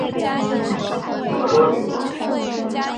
蛮多旅馆的